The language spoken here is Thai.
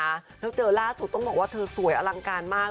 แล้วเจอล่าสุดต้องบอกว่าเธอสวยอลังการมาก